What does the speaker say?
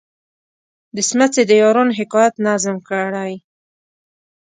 د څمڅې د یارانو حکایت نظم کړی.